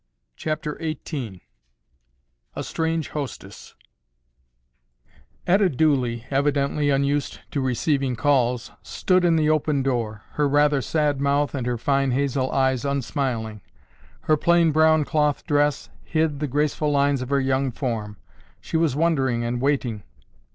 CHAPTER XVIII A STRANGE HOSTESS Etta Dooley, evidently unused to receiving calls, stood in the open door, her rather sad mouth and her fine hazel eyes unsmiling. Her plain brown cloth dress hid the graceful lines of her young form. She was wondering and waiting.